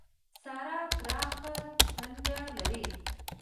سارا پراخه ټنډه لري.